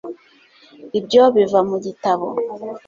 ibyo biva mu gitabo